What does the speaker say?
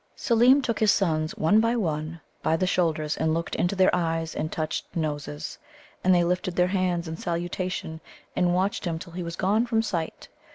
Seelem took his sons one by one by the shoulders, and looked into their eyes, and touched noses. And they lifted their hands in salutation, and watched him till he was gone from sight.